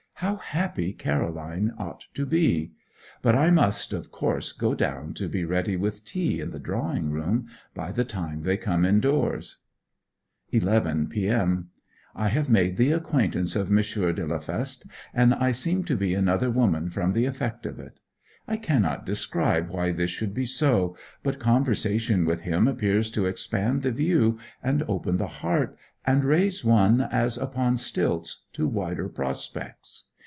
How happy Caroline ought to be. But I must, of course, go down to be ready with tea in the drawing room by the time they come indoors. 11 p.m. I have made the acquaintance of M. de la Feste; and I seem to be another woman from the effect of it. I cannot describe why this should be so, but conversation with him seems to expand the view, and open the heart, and raise one as upon stilts to wider prospects.